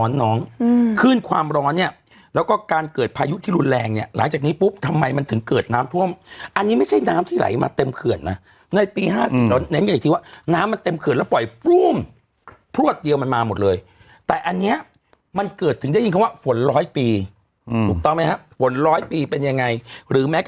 น้องอืมคลื่นความร้อนเนี่ยแล้วก็การเกิดพายุที่รุนแรงเนี่ยหลังจากนี้ปุ๊บทำไมมันถึงเกิดน้ำท่วมอันนี้ไม่ใช่น้ำที่ไหลมาเต็มเขื่อนนะในปี๕๐เราเน้นกันอีกทีว่าน้ำมันเต็มเขื่อนแล้วปล่อยปุ้มพลวดเดียวมันมาหมดเลยแต่อันเนี้ยมันเกิดถึงได้ยินคำว่าฝนร้อยปีถูกต้องไหมฮะฝนร้อยปีเป็นยังไงหรือแม้